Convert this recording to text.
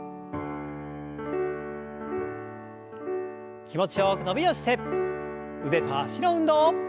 気持ちよく伸びをして腕と脚の運動。